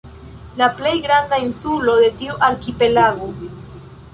La plej granda insulo de tiu arkipelago.